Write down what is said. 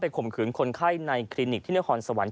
ข่มขืนคนไข้ในคลินิกที่นครสวรรค